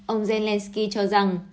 ông zelensky cho rằng